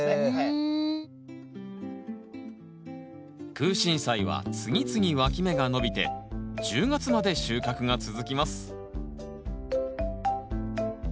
クウシンサイは次々わき芽が伸びて１０月まで収穫が続きます